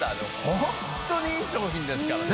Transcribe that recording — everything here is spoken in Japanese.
ホントにいい商品ですからね。